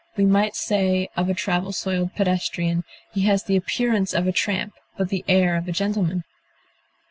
We might say of a travel soiled pedestrian, he has the appearance of a tramp, but the air of a gentleman.